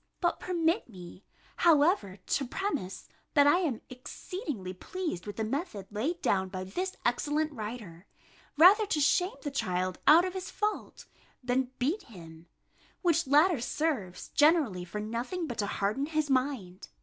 But permit me, however, to premise, that I am exceedingly pleased with the method laid down by this excellent writer, rather to shame the child out of his fault, than beat him; which latter serves generally for nothing but to harden his mind.